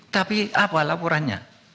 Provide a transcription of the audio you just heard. tapi apa laporannya